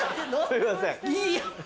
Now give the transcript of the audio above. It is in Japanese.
すいません。